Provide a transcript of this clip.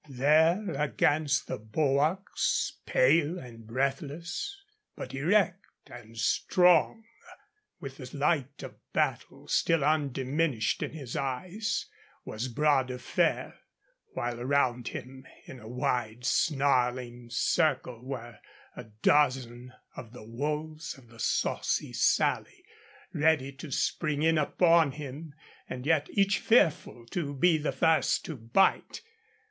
There against the bulwarks, pale and breathless, but erect and strong, with the light of battle still undiminished in his eyes, was Bras de Fer; while around him in a wide, snarling circle were a dozen of the wolves of the Saucy Sally, ready to spring in upon him, and yet each fearful to be the first to bite.